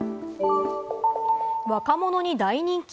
若者に大人気！